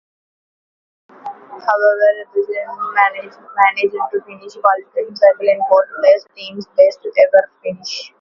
However, Azerbaijan managed to finish qualification cycle in fourth place, team's best ever finish.